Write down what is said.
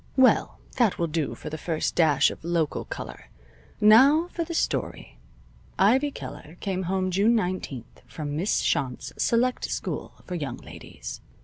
Well, that will do for the firsh dash of local color. Now for the story. Ivy Keller came home June nineteenth from Miss Shont's select school for young ladies.